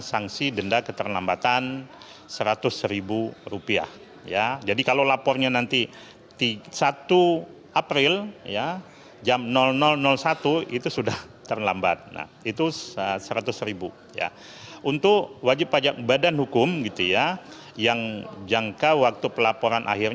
yang terlambat itu dikenakan